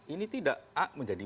ini tidak a menjadi